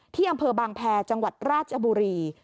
ที่อำเภอบางแพรจังหวัดราชบุรี